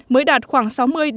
mới đạt khoảng sáu mươi bảy mươi